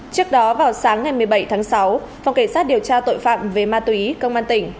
trước đó vào sáng ngày một mươi bảy tháng sáu phòng cảnh sát điều tra tội phạm về ma túy công an tỉnh